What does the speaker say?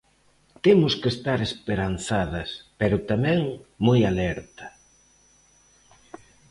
Temos que estar esperanzadas, pero tamén moi alerta.